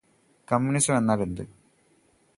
കമ്മ്യൂണിസമെന്നാൽ എന്ത്?